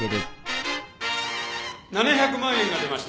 ７００万円が出ました。